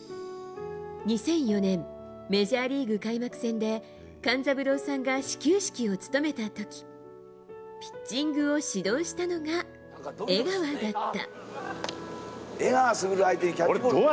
２００４年メジャーリーグ開幕戦で勘三郎さんが始球式を務めた時ピッチングを指導したのが江川だった。